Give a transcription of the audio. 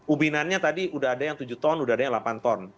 ubinannya tadi udah ada yang tujuh ton udah ada yang delapan ton